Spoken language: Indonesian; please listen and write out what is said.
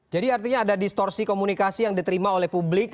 jadi artinya ada distorsi komunikasi yang diterima oleh publik